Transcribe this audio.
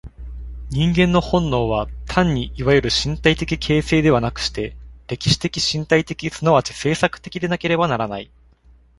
人間の本能は単にいわゆる身体的形成ではなくして、歴史的身体的即ち制作的でなければならない。